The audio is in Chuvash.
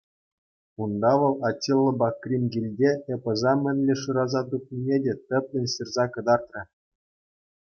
Унта вӑл «Аттилпа Кримкилте» эпоса мӗнле шыраса тупнине те тӗплӗн ҫырса кӑтартрӗ.